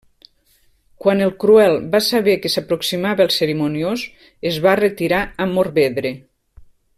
Quan el Cruel va saber que s'aproximava el Cerimoniós, es va retirar a Morvedre.